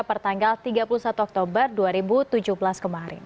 pertanggal tiga puluh satu oktober dua ribu tujuh belas kemarin